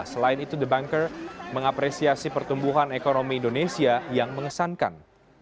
selain itu the banker mengapresiasi pertumbuhan ekonomi indonesia yang mengesankan